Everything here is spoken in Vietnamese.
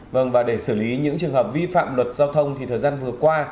vâng và để xử lý những trường hợp vi phạm luật giao thông thì thời gian vừa qua